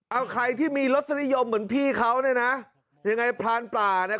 เอาใครที่มีรสดียมเหมือนพี่เขาเนี้ยนะยังไงพรานปลาเนี้ย